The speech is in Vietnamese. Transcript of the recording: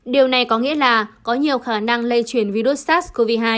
điều này có nghĩa là có nhiều khả năng lây truyền virus sars cov hai